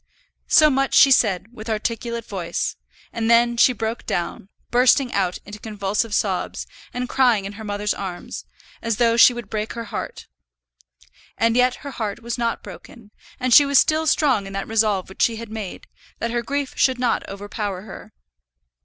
So much she said with articulate voice, and then she broke down, bursting out into convulsive sobs, and crying in her mother's arms as though she would break her heart. And yet her heart was not broken, and she was still strong in that resolve which she had made, that her grief should not overpower her.